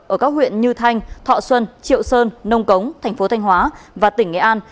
ở các huyện như thanh thọ xuân triệu sơn nông cống thành phố thanh hóa và tỉnh nghệ an